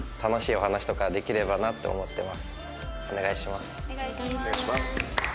お願いします。